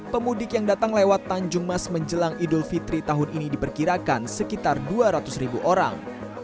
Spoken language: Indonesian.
pemudik yang datang lewat tanjung mas menjelang idul fitri tahun ini diperkirakan sekitar dua ratus ribu orang